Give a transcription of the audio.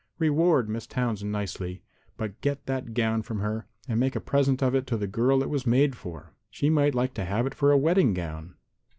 Reward Miss Townsend nicely, but get that gown from her and make a present of it to the girl it was made for. She might like to have it for a wedding gown.